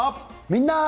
「みんな！